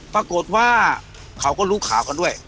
ปรากฏว่าเขาก็รู้ข่าวกันด้วย